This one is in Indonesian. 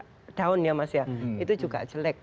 kalau kemudian ada lay daun ya mas ya itu juga jelek